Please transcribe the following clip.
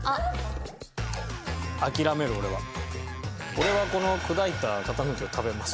俺はこの砕いた型抜きを食べます。